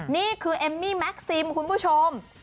นี่คือเอมมี่แม็กซิมคุณผู้ชม